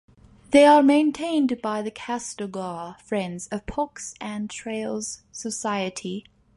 They are maintained by the Castlegar Friends of Parks and Trails Society.